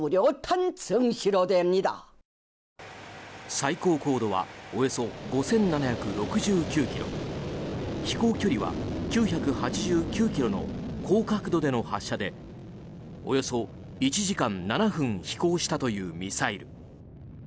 最高高度はおよそ５７６９ｋｍ飛行距離は９８９ｋｍの高角度での発射でおよそ１時間７分飛行したというミサイル。